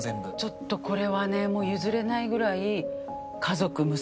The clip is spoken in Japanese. ちょっとこれはねもう譲れないぐらい。